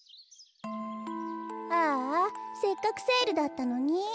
ああせっかくセールだったのに。